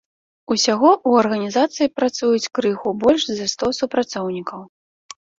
Усяго ў арганізацыі працуюць крыху больш за сто супрацоўнікаў.